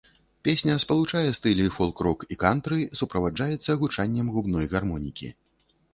Песня спалучае стылі фолк-рок і кантры, суправаджаецца гучаннем губной гармонікі.